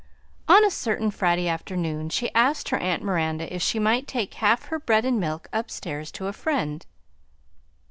On a certain Friday afternoon she asked her aunt Miranda if she might take half her bread and milk upstairs to a friend.